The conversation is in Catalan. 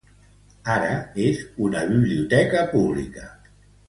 Ara, és una biblioteca pública.